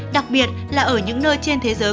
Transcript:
đặc biệt là ở những nơi trên thế giới